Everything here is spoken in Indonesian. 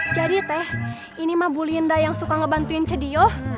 jadi teh ini mah bu linda yang suka ngebantuin cediyo